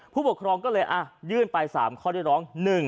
ผู้ปกครองก็เลยยื่นไป๓ข้อเรียกร้อง